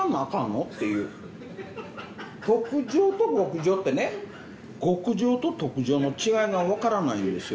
特上と極上ってね極上と特上の違いが分からないんですよ